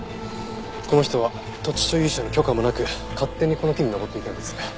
この人は土地所有者の許可もなく勝手にこの木に登っていたようです。